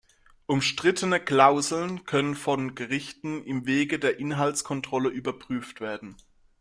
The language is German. Umstrittene Klauseln können von Gerichten im Wege der Inhaltskontrolle überprüft werden.